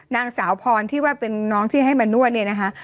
นางสาวพรที่ว่าเป็นน้องที่ให้มานวดเนี่ยนะคะ